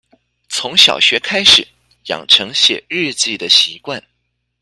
從小學開始養成寫日記的習慣